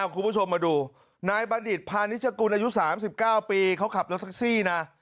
คุณผู้ชมมาดูนายบัณฑิตพาณิชกุลอายุ๓๙ปีเขาขับรถแท็กซี่นะ